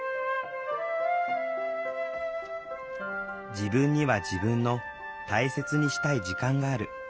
「自分には自分の大切にしたい時間がある」。